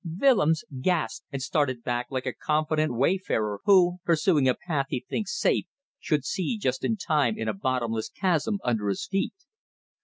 Willems gasped and started back like a confident wayfarer who, pursuing a path he thinks safe, should see just in time a bottomless chasm under his feet.